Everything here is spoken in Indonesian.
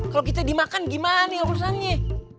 kalau kita dimakan gimana urusannya